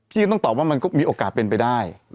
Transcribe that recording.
ก็ต้องตอบว่ามันก็มีโอกาสเป็นไปได้